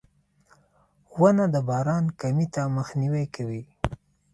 • ونه د باران کمي ته مخنیوی کوي.